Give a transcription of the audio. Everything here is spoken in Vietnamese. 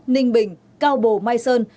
ninh bình cao bồ mai sơn